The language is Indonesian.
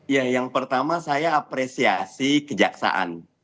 ya yang pertama saya apresiasi kejaksaan